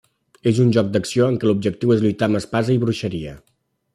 És un joc d'acció en què l'objectiu és lluitar amb espasa i bruixeria.